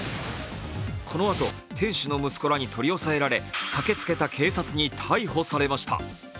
このあと、店主の息子らに取り押さえられ駆けつけた警察に逮捕されました。